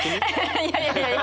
いやいやいや！